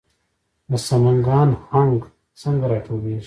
د سمنګان هنګ څنګه راټولیږي؟